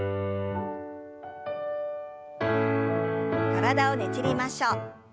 体をねじりましょう。